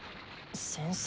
先生。